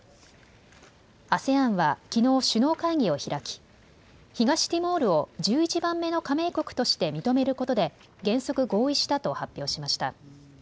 ＡＳＥＡＮはきのう首脳会議を開き東ティモールを１１番目の加盟国として認めることで原則、合意したと発表しました。